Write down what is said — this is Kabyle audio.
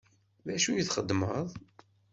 D acu i txeddmeḍ?